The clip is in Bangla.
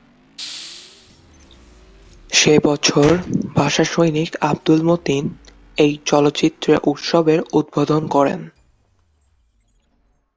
সে বছর ভাষা সৈনিক আব্দুল মতিন এই চলচ্চিত্র উৎসবের উদ্বোধন করেন।